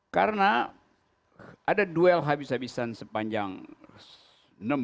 karena ada duel habis habisan sepanjang tahun